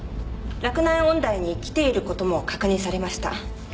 洛南音大に来ている事も確認されました。